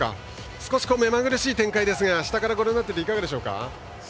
少しめまぐるしい展開ですが下からご覧になっていていかがでしょうか？